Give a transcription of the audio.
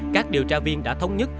các điều tra viên đã thống nhất